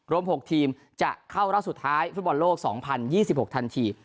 รวม๖ทีมจะเข้ารอบสุดท้ายฟุตบอลโลก๒๐๒๖ทันที